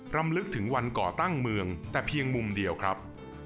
รำลึกถึงวันก่อตั้งเมืองแต่เพียงมุมเดียวครับ